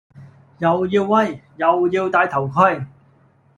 又要威，又要帶頭盔